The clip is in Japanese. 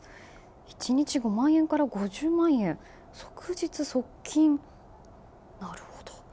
１日５万円から５０万円即日即金、なるほど。